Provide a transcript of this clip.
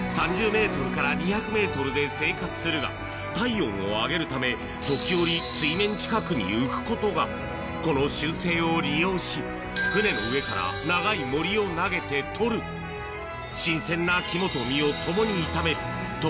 体温を上げるため時折水面近くに浮くことがこの習性を利用し船の上から長いモリを投げて取る新鮮な肝と身を共に炒める共